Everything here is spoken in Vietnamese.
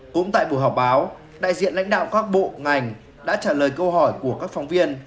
cũng tại buổi họp báo đại diện lãnh đạo các bộ ngành đã trả lời câu hỏi của các phóng viên